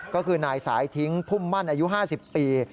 ก็คือนายสายทิ้งพุ่มมั่นอายุ๕๐ปี